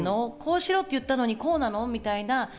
こうしろって言ったのにこうなの？みたいな。